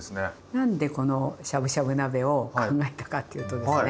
なんでこのしゃぶしゃぶ鍋を考えたかっていうとですね